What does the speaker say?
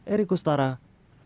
eri kustara bekasi